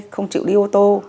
không chịu đi ô tô